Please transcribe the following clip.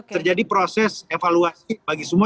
terjadi proses evaluasi bagi semua